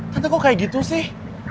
tapi kok kayak gitu sih